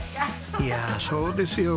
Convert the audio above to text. いやそうですよ。